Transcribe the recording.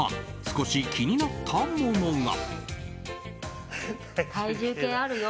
少し気になったものが。